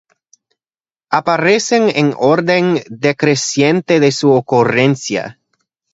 Aparecen en orden decreciente de su ocurrencia.